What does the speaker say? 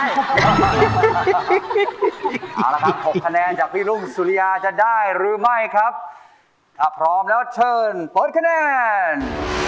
เอาละครับ๖คะแนนจากพี่รุ่งสุริยาจะได้หรือไม่ครับถ้าพร้อมแล้วเชิญเปิดคะแนน